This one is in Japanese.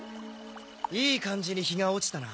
いい感じに日が落ちたな。